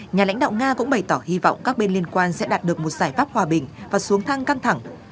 nhà lãnh đạo nga cũng bày tỏ hy vọng các bên liên quan sẽ đạt được một giải pháp hòa bình và xuống thăng căng thẳng